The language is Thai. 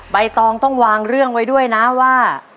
ใบตองต้องวางเรื่องไว้ด้วยนะว่า